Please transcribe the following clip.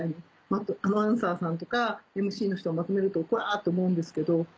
あとアナウンサーさんとかＭＣの人がまとめるとコラ！と思うんですけど。